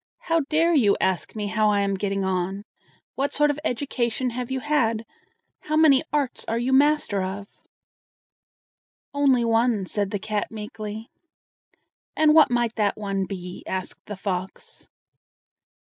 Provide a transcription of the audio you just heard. How dare you ask me how I am getting on? What sort of education have you had? How many arts are you master of?" "Only one," said the cat meekly. "And what might that one be?" asked the fox.